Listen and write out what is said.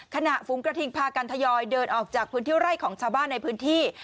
ฝูงกระทิงพากันทยอยเดินออกจากพื้นที่ไร่ของชาวบ้านในพื้นที่